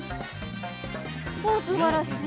おおすばらしい！